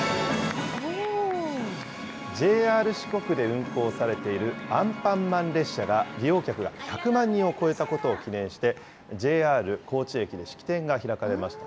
ＪＲ四国で運行されているアンパンマン列車が、利用客が１００万人を超えたことを記念して、ＪＲ高知駅で式典が開かれました。